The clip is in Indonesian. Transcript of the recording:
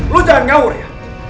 lo jangan ngawur ya